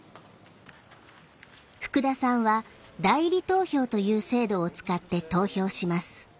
福田さんは代理投票という制度を使って投票します。